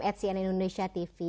at cn indonesia tv